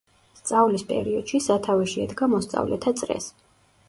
სწავლის პერიოდში სათავეში ედგა მოსწავლეთა წრეს.